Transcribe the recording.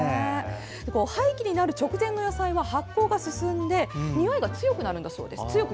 廃棄になる直前の野菜は発酵が進んでにおいが強く出てくるそうです。